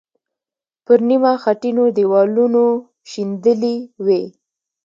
پر نیمه خټینو دیوالونو شیندلې وې.